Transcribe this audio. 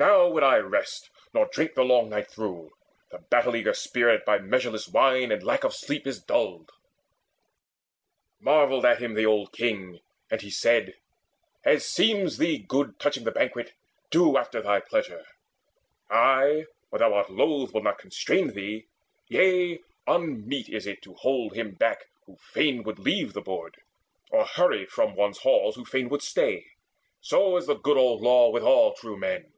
Now would I rest, nor drink The long night through. The battle eager spirit By measureless wine and lack of sleep is dulled." Marvelled at him the old King, and he said: "As seems thee good touching the banquet, do After thy pleasure. I, when thou art loth, Will not constrain thee. Yea, unmeet it is To hold back him who fain would leave the board, Or hurry from one's halls who fain would stay. So is the good old law with all true men."